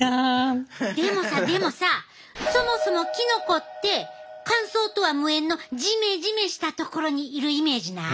でもさでもさそもそもキノコって乾燥とは無縁のジメジメした所にいるイメージない？